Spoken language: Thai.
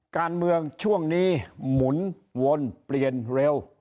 การเมืองช่วงนี้หมุนวนเปลี่ยนเร็ว